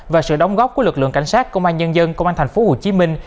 và sự đóng góp của lực lượng cảnh sát công an nhân dân công an thành phố hồ chí minh